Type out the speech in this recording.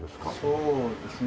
そうですね。